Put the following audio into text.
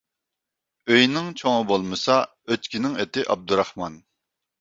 ئۆينىڭ چوڭى بولمىسا، ئۆچكىنىڭ ئېتى ئابدۇراخمان.